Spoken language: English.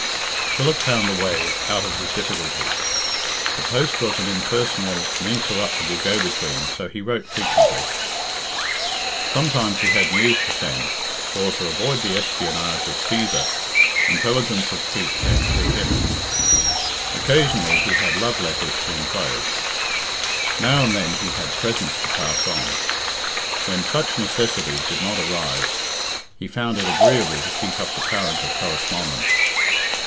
Philip found a way out of his difficulty. The post was an impersonal and incorruptible go between, so he wrote frequently. Sometimes he had news to send, for, to avoid the espionage of Cæsar, intelligence of Pete came through him; occasionally he had love letters to enclose; now and then he had presents to pass on. When such necessity did not arise, he found it agreeable to keep up the current of correspondence.